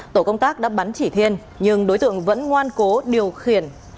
tổ công tác đã bắn chỉ thiên nhưng đối tượng vẫn ngoan cố điều khiển